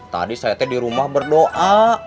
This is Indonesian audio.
tadi saya lihatnya di rumah berdoa